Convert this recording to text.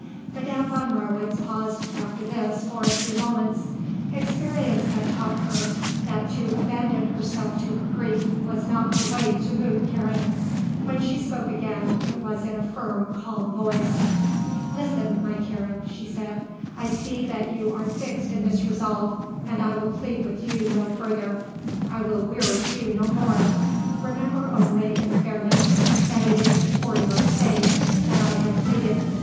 Madame von Marwitz paused after this for a few moments. Experience had taught her that to abandon herself to her grief was not the way to move Karen. When she spoke again it was in a firm, calm voice. "Listen, my Karen," she said. "I see that you are fixed in this resolve and I will plead with you no further. I will weary you no more. Remember only, in fairness, that it is for your sake that I have pleaded.